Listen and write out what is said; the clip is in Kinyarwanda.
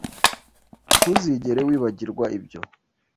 Ntuzigera wibagirwa ibyo